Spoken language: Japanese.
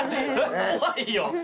怖いよ。